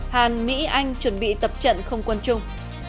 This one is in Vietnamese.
hàn mỹ anh chuẩn bị tập trận không quân chung